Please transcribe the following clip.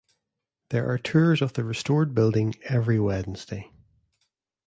There are tours of the restored building every Wednesday.